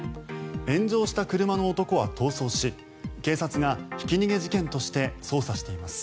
炎上した車の男は逃走し警察がひき逃げ事件として捜査しています。